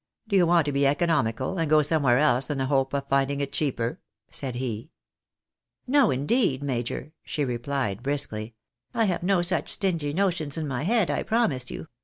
Do you want to be econo mical, and go somewhere else in the hope of finding it cheaper ?" said he. " No, indeed, major," she replied, briskly ;" I have no such stingy notions in my head, I promise you.